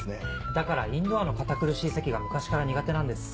だからインドアの堅苦しい席が昔から苦手なんです。